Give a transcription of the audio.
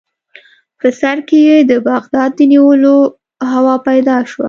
په سر کې یې د بغداد د نیولو هوا پیدا شوه.